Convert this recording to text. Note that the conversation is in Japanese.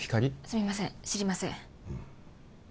すみません知りません